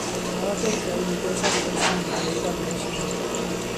Ar adegau, nid oes angen symbol i ddangos hynny.